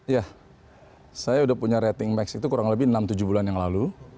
ya saya sudah punya rating max itu kurang lebih enam tujuh bulan yang lalu